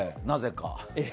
なぜか？